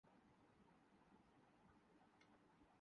وقت آن پہنچا ہے۔